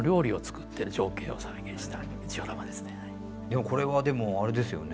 こちらはでもこれはでもあれですよね